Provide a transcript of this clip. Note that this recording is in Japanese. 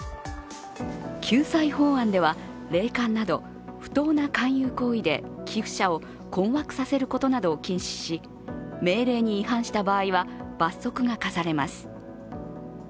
救済法案では霊感など不当な勧誘行為で寄付者を困惑させることなどを禁止し、命令に違反した場合は罰則が科されます。